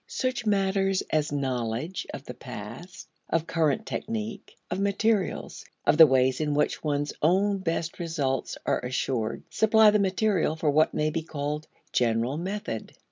Such matters as knowledge of the past, of current technique, of materials, of the ways in which one's own best results are assured, supply the material for what may be called general method.